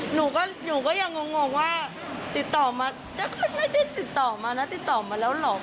หนูก็ยังงงว่าติดต่อมาไม่ได้ติดต่อมานะติดต่อมาแล้วหรอก